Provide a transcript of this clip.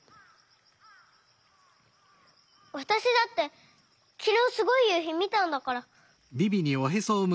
わたしだってきのうすごいゆうひみたんだから。